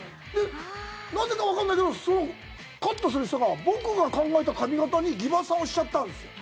なぜかわかんないけどそのカットする人が僕が考えた髪形にギバさんをしちゃったんですよ。